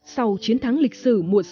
sau chiến thắng lịch sử muộn sợ